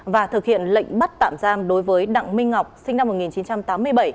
và thực hiện lệnh bắt tạm giam đối với đặng minh ngọc sinh năm một nghìn chín trăm tám mươi bảy